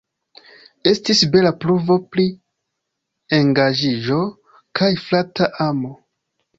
Estis bela pruvo pri engaĝiĝo kaj frata amo.